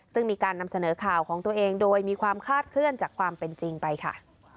ซึ่งมีการนำเสนอข่าวของตัวเองโดยมีความคลาดเคลื่อนจากความเป็นจริงไปค่ะ